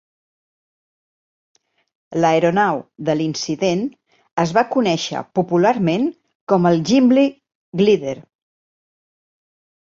L'aeronau de l'incident es va conèixer popularment com el Gimli Glider.